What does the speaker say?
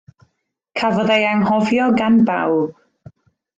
Cafodd ei anghofio gan bawb.